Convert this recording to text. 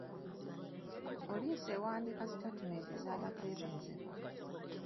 Poliisi ewandiika sitatimenti z'abateeberezebwa.